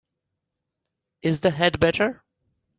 Is the head better?